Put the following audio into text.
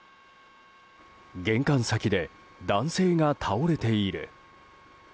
玄関先で男性が倒れている。